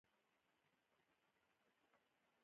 د غاښ مخ د مینا په نامه ماده پوښ کړی دی.